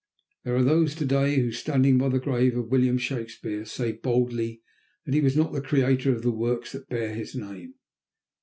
There are those to day who, standing by the grave of William Shakespeare, say boldly that he was not the creator of the works that bear his name.